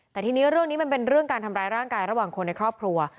แต่ทีนี้เรื่องนี้มันเป็นเรื่องการทำร้ายร่างกายระหว่างคนในครอบครัว